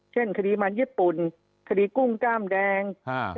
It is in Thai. คดีมันญี่ปุ่นคดีกุ้งกล้ามแดง